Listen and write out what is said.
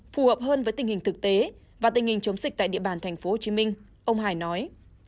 phù hợp hơn với tình hình thực tế và tình hình chống dịch tại địa bàn tp hcm ông hải nói